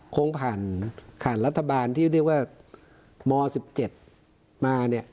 คงผ่านข่านรัฐบาลที่เรียกว่ามสิบเจ็ดมาเนี้ย